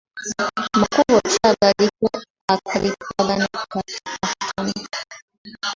Makubo ki agaliko akalipagano akatono?